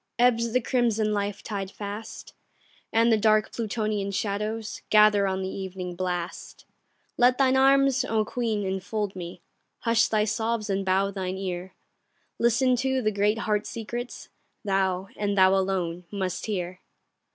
Ebbs the crimson life tide fast, And the dark Plutonian shadows Gather on the evening blast; Let thine arms, O Queen, enfold me, Hush thy sobs and bow thine ear; Listen to the great heart secrets, Thou, and thou alone, must hear.